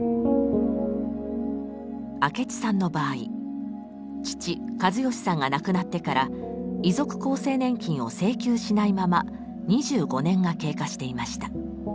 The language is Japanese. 明智さんの場合父・計義さんが亡くなってから遺族厚生年金を請求しないまま２５年が経過していました。